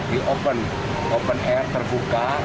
di open air terbuka